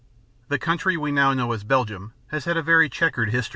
The country we now know as Belgium has had a very checkered history.